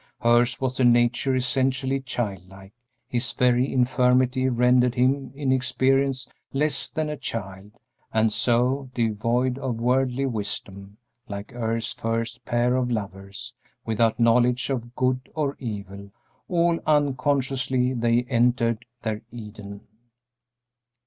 Hers was a nature essentially childlike; his very infirmity rendered him in experience less than a child; and so, devoid of worldly wisdom, like Earth's first pair of lovers, without knowledge of good or evil, all unconsciously they entered their Eden.